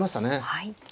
はい。